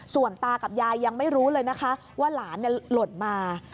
ส่วนตากับยายยังไม่รู้เลยนะคะว่าหลานหล่นมา